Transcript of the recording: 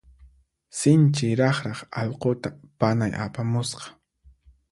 Sinchi raqraq allquta panay apamusqa.